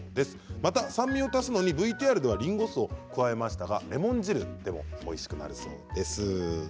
また酸味を足すのにＶＴＲではりんご酢を加えましたがレモン汁でもおいしくなるそうです。